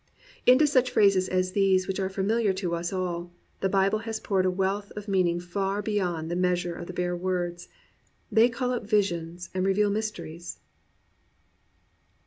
Into such phrases as these, which are famihar to us all, the Bible has poured a wealth of meaning far beyond the measure of the bare words. They call up visions and reveal mysteries.